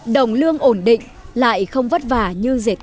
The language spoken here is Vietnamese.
đồng lương ổn định lại không vất vả như dệt chiếu